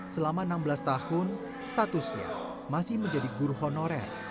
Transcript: selama enam belas tahun statusnya masih menjadi guru honorer